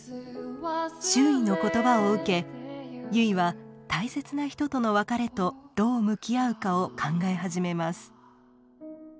周囲の言葉を受け結は大切な人との別れとどう向き合うかを考え始めます。